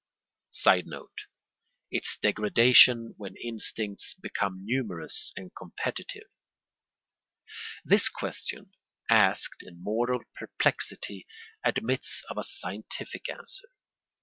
[Sidenote: Its degradation when instincts become numerous and competitive.] This question, asked in moral perplexity, admits of a scientific answer.